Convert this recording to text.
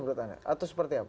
menurut anda atau seperti apa